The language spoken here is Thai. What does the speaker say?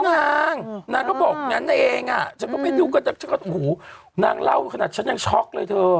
อาจารย์ใคร